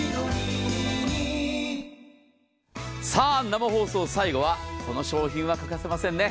生放送、最後はこの商品は欠かせませんね。